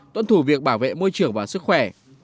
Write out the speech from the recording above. tuân thủ việc bảo vệ môi trường và sức khỏe